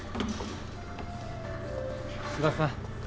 須田さん